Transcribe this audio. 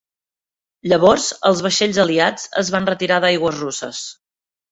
Llavors, els vaixells aliats es van retirar d'aigües russes.